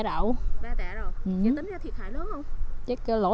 bè tẹ rậu nhưng tính ra thiệt hại lớn không